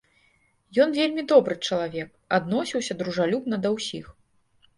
Ён вельмі добры чалавек, адносіўся дружалюбна да ўсіх.